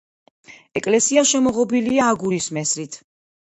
ეკლესია შემოღობილია აგურის მესრით.